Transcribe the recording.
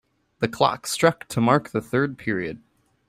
The clock struck to mark the third period.